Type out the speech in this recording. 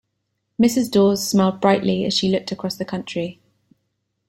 Mrs. Dawes smiled brightly as she looked across the country.